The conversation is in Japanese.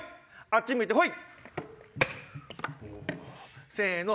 あっち向いてホイ！